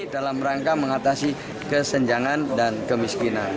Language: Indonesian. dalam rangka mengatasi kesenjangan dan kemiskinan